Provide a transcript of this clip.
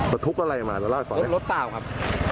ลดทุกข์อะไรมาเราเล่าให้ก่อนลดรถเปล่าครับ